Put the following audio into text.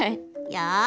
よし。